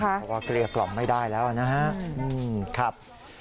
เพราะว่าเกลี้ยกล่อมไม่ได้แล้วนะครับ